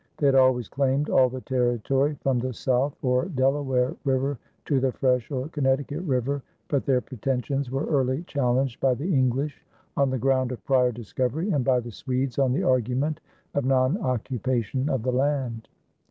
They had always claimed all the territory from the South or Delaware River to the Fresh or Connecticut River, but their pretensions were early challenged by the English on the ground of prior discovery and by the Swedes on the argument of non occupation of the land.